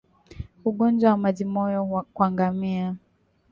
Ugonjwa wa majimoyo kwa ngamia